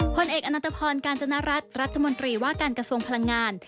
ผลเอกอนัตภพรกาญจนรัฐรัฐมนตรีว่าการกระทรวงพลังงาน